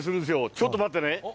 ちょっと待ってね。